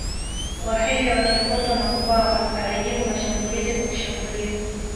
Wahehe wakiongozwa na Mkwawa alijibu mashambulizi kwa kushambulia